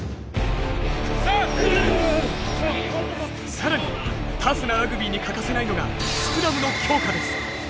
更にタフなラグビーに欠かせないのがスクラムの強化です。